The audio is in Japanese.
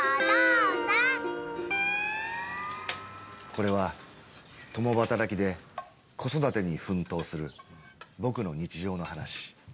これは共働きで子育てに奮闘する僕の日常の話。